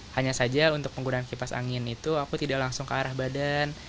hanya saja untuk penggunaan kipas angin itu aku tidak langsung ke arah badan